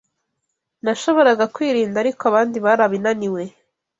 Nashoboraga kwirinda ariko abandi barabinaniwe.